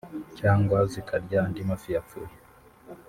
cyangwa zikarya andi mafi yapfuye